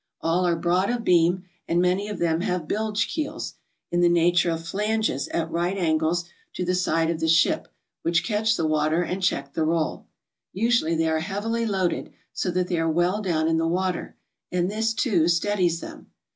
All are broad of beam, and many of them have bilge keels, in the nature of flanges at right angles to the side of the skip, which catch the water and check the roll. Usually they are heavily loaded, so that they are well down in the water, and this, too, steadies them.